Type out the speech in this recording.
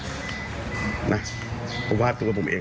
อันนี้ผมไม่ค่อยยินยันดีกว่านะ